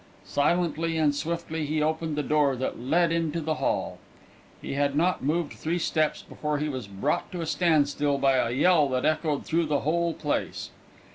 Silently and swiftly he opened the door that led into the hall. He had not moved three steps before he was brought to a standstill by a yell that echoed through the whole place.